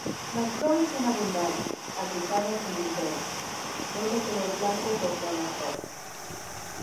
Las flores son abundantes, agrupadas en umbelas, son de color blanco con tonos rosa.